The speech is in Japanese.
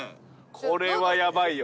これはヤバいよ。